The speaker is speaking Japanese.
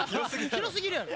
広すぎるやろ。